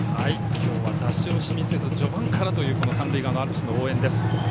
今日は出し惜しみせず序盤からという三塁側アルプスの応援です。